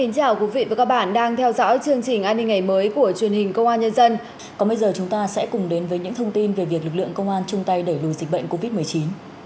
các bạn hãy đăng ký kênh để ủng hộ kênh của chúng mình nhé